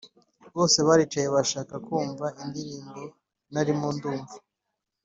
Bose baricaye bashaka kumva indirimbo narimo ndumva